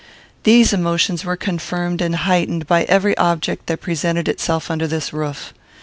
These emotions were confirmed and heightened by every object that presented itself under this roof.